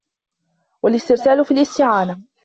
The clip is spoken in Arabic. وَالِاسْتِرْسَالُ فِي الِاسْتِعَانَةِ